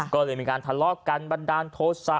ก็เลยมีการทะเลาะกันบันดาลโทษะ